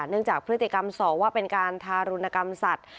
จากพฤติกรรมส่อว่าเป็นการทารุณกรรมสัตว์